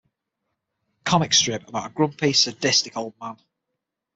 Comic strip about a grumpy, sadistic old man.